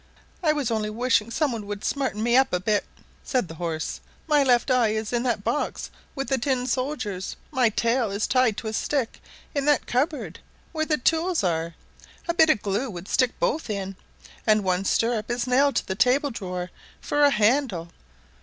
"I was only wishing some one would smarten me up a bit," said the horse. "My left eye is in that box with the tin soldiers. My tail is tied to a stick in that cupboard where the tools are a bit of glue would stick both in. And one stirrup is nailed to the table drawer for a handle.